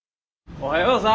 おはようさん。